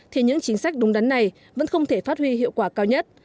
thì những chính sách đúng đắn này vẫn không thể phát huy hiệu quả cao nhất